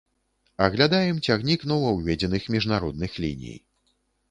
Аглядаем цягнік новаўведзеных міжнародных ліній.